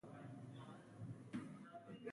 ایا دا ناروغي ساري ده؟